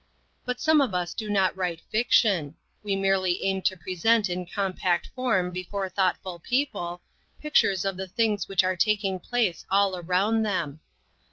But some of us do not write fiction ; we merely aim to present in com pact form before thoughtful people, pictures of the things which are taking place all around them.